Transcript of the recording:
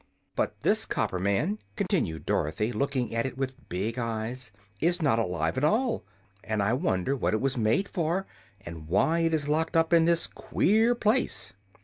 "But this copper man," continued Dorothy, looking at it with big eyes, "is not alive at all, and I wonder what it was made for, and why it was locked up in this queer place."